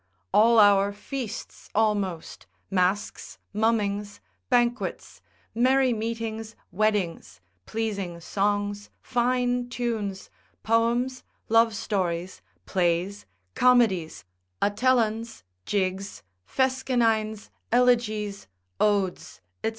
All our feasts almost, masques, mummings, banquets, merry meetings, weddings, pleasing songs, fine tunes, poems, love stories, plays, comedies, Atellans, jigs, Fescennines, elegies, odes, &c.